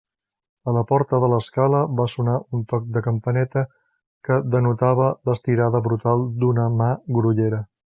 A la porta de l'escala va sonar un toc de campaneta que denotava l'estirada brutal d'una mà grollera.